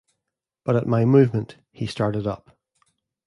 But at my movement, he started up.